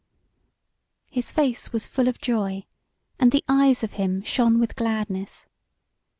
His face was full of joy, and the eyes of him shone with gladness.